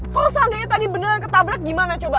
kalo saudanya tadi beneran ketabrak gimana coba